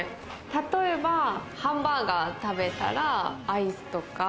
例えばハンバーガー食べたら、アイスとか。